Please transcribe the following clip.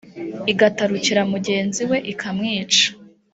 igatarukira mugenzi we, ikamwica: